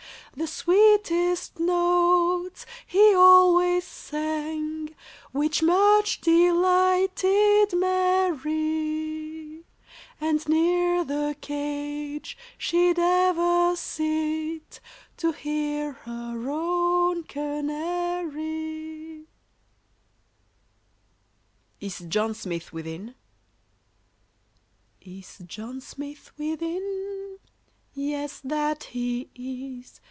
The sweetest notes he always sang, Which much delighted Mary; And near the cage she'd ever sit, To hear her own Canary. [Illustration: IS JOHN SMITH WITHIN?] Is John Smith within? Yes, that he is.